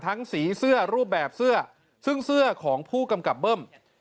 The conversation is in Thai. สีเสื้อรูปแบบเสื้อซึ่งเสื้อของผู้กำกับเบิ้ม